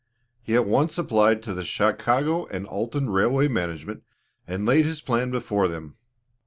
He at once applied to the Chicago and Alton railway management and laid his plan before them.